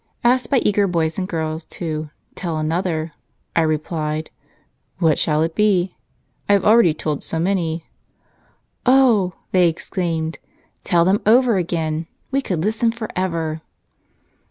Asked by eager boys and girls to "tell another", I replied, "What shall it be? I have already told so many." "Oh," they exclaimed, "tell them over again. We could listen forever!"